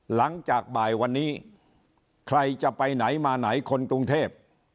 หลังจากบ่ายวันนี้ใครจะไปไหนมาไหนคนกรุงเทพ